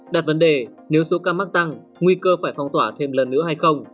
đặt vấn đề nếu số ca mắc tăng nguy cơ phải phong tỏa thêm lần nữa hay không